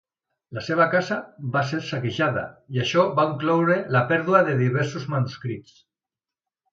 La seva casa va ser saquejada, i això va incloure la pèrdua de diversos manuscrits.